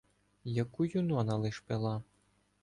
Яку Юнона лиш пила.